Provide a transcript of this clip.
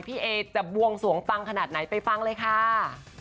พี่เอจะบวงสวงปังขนาดไหนไปฟังเลยค่ะ